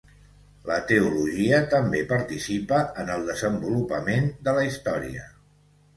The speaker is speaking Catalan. La teologia també participa en el desenvolupament de la història.